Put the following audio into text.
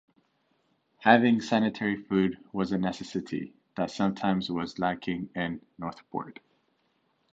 Having sanitary food was a necessity that sometimes was lacking in Northport.